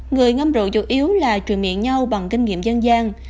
người ngâm rộ chủ yếu là truyền miệng nhau bằng kinh nghiệm dân gian